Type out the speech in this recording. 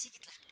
cak semin coba